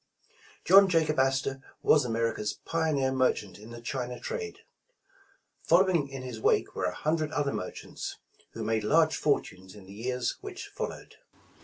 John Jacob Astor was America's pioneer mer chant in the China trade. Following in his wake were a hundred other merchants, who made large fortunes in the years which followed.